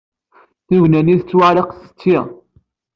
Tugna-nni tettwaɛelleq tetti.